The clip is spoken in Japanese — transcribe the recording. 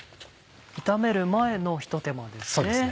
炒める前のひと手間ですね。